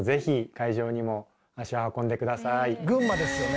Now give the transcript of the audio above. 群馬ですよね。